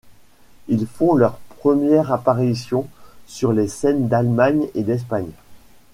Ils font leurs premières apparitions sur les scènes d'Allemagne et d'Espagne.